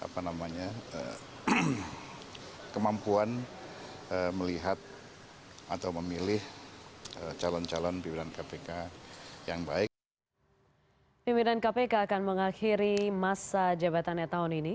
pembentukan kpk akan mengakhiri masa jabatannya tahun ini